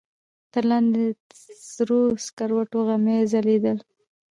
تر لاندې د سرو سکروټو غمي ځلېدل.